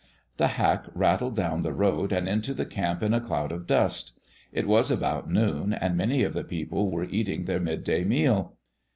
The hack rattled down the road and into the camp in a cloud of dust. It was about noon and many of the people were eating their mid day meal.